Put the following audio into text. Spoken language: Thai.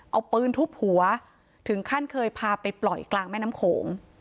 เอาปืนทุบหัวถึงขั้นเคยพาไปปล่อยกลางแม่น้ำโขง